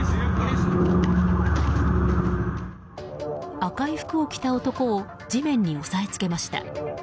赤い服を着た男を地面に押さえつけました。